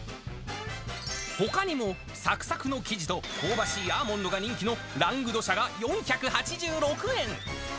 ほかにも、さくさくの生地と香ばしいアーモンドが人気のラングドシャが４８６円。